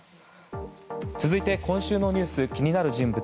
続いて、今週のニュース気になる人物